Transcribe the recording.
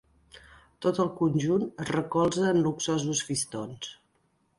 Tot el conjunt es recolza en luxosos fistons.